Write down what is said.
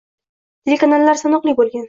Telekanallar sanoqli bo`lgan